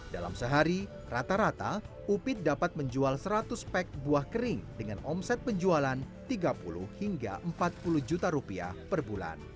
dalam sehari rata rata upit dapat menjual seratus pek buah kering dengan omset penjualan tiga puluh hingga empat puluh juta rupiah per bulan